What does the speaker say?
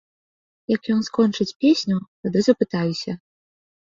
Як ён скончыць песню, тады запытаюся.